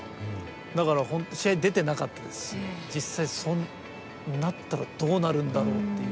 だから本当試合出てなかったですし実際そうなったらどうなるんだろうっていう。